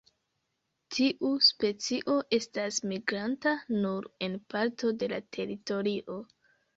Tiu specio estas migranta nur en parto de la teritorio.